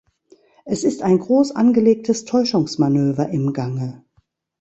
Es ist ein groß angelegtes Täuschungsmanöver im Gange.